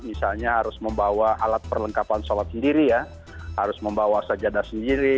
misalnya harus membawa alat perlengkapan sholat sendiri ya harus membawa sajadah sendiri